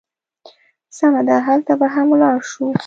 سمه ده، هلته به هم ولاړ شو.